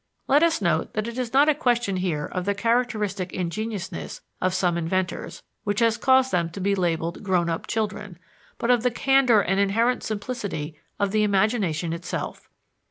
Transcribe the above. Let us note that it is not a question here of the characteristic ingenuousness of some inventors, which has caused them to be called "grown up children," but of the candor and inherent simplicity of the imagination itself.